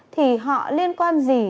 thì họ liên quan gì